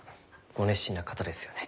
ご熱心な方ですよね。